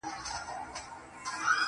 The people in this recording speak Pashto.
د درد د كړاوونو زنده گۍ كي يو غمى دی,